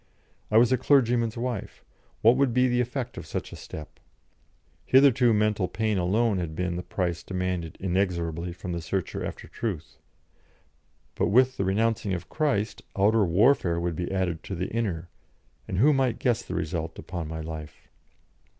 I was a clergyman's wife; what would be the effect of such a step? Hitherto mental pain alone had been the price demanded inexorably from the searcher after truth; but with the renouncing of Christ outer warfare would be added to the inner, and who might guess the result upon my life?